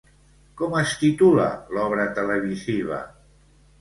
Com es titula l'obra televisiva?